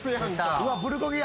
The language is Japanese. うわっプルコギや！